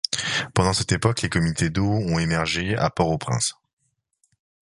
Pendant cette époque les comités d’eau ont émergé à Port-au-Prince.